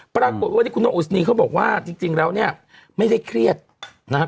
ปรากฏว่าวันนี้คุณนกอุศนีเขาบอกว่าจริงแล้วเนี่ยไม่ได้เครียดนะครับ